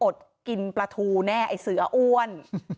อดกินปลาทูแน่ไอ้เสืออ้วน